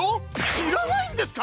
しらないんですか！？